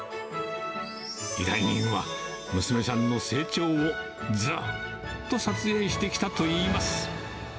依頼人は、娘さんの成長をずーっと撮影してきたといいます。